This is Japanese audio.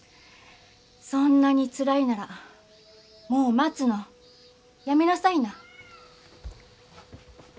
そんなにつらいならもう待つのやめなさいな。